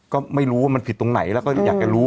ก็ไม่รู้ว่ามันผิดตรงไหนแล้วก็อยากจะรู้